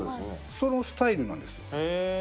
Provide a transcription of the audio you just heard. そのスタイルなんですよ。へえ。